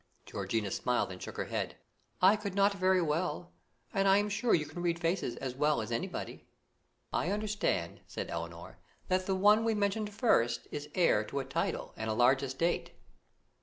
Georgiana smiled and shook her head. "I could not very well, and I am sure you can read faces as well as anybody." "I understand," said Elinor, "that the one we mentioned first is heir to a title and a large estate."